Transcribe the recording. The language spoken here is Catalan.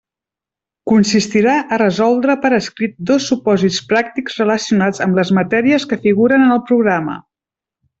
Consistirà a resoldre per escrit dos supòsits pràctics relacionats amb les matèries que figuren en el programa.